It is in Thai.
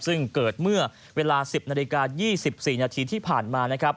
ซึ่งเกิดเมื่อเวลา๑๐นาฬิกา๒๔นาทีที่ผ่านมานะครับ